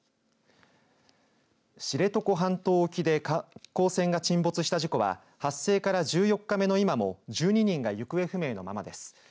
知床半島沖で観光船が沈没した事故は発生から１４日目の今も１２人が行方不明のままです。